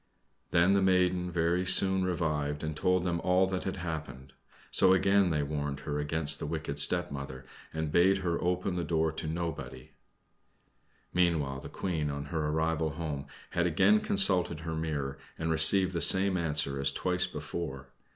Then the maiden very soon revived and told them all that had happened. So again they warned her against the wicked stepmother, and bade her open the door to nobody. Meanwhile the Queen, on her arrival home, had again consulted her mirror, and received the same answer as twice before.